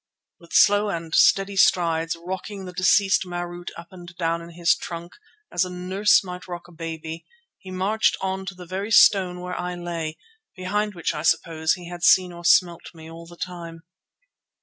With slow and stately strides, rocking the deceased Marût up and down in his trunk, as a nurse might rock a baby, he marched on to the very stone where I lay, behind which I suppose he had seen or smelt me all the time.